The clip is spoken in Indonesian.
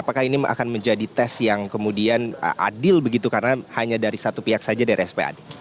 apakah ini akan menjadi tes yang kemudian adil begitu karena hanya dari satu pihak saja dari spad